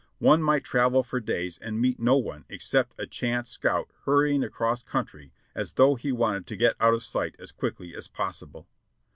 One might travel for days and meet no one except a chance scout hurrying across country as though he wanted to get out of sight as quickly as possible.